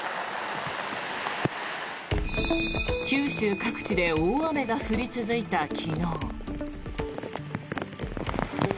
九州各地で大雨が降り続いた昨日。